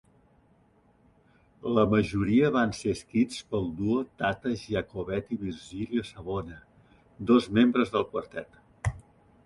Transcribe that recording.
La majoria van ser escrits pel duo Tata Giacobetti-Virgilio Savona, dos membres del quartet.